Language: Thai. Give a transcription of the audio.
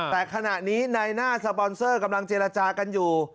แต่ขณะนี้ในหน้าสปอนเซอร์กำลังเจรจากันอยู่